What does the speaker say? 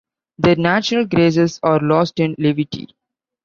Their natural graces are lost in levity.